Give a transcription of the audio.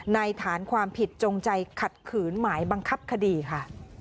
ฐานความผิดจงใจขัดขืนหมายบังคับคดีค่ะ